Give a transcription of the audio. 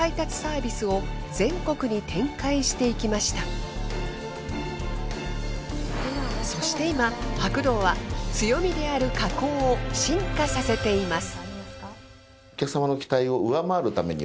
その後そして今白銅は強みである加工を進化させています。